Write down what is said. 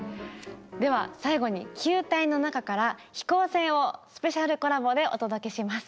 では最後に「球体」の中から「飛行船」をスペシャルコラボでお届けします。